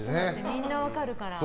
みんな分かるから。